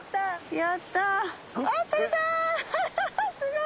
やった！